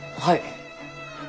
はい。